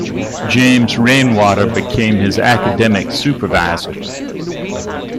James Rainwater became his academic supervisor.